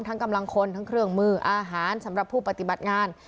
กำลังคนทั้งเครื่องมืออาหารสำหรับผู้ปฏิบัติงาน